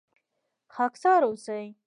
خاکسار اوسئ